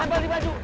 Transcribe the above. lepas di baju